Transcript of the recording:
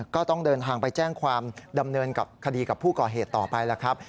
ก็ต้องเดินทางไปแจ้งความดำเนินกับคดีกับผู้ก่อเหตุต่อไปแล้วครับ